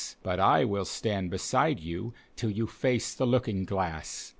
But I will stand beside you till you face the looking glass.